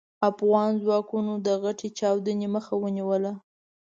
افغان ځواکونو د غټې چاودنې مخه ونيوله.